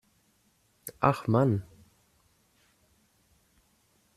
Ach Mann.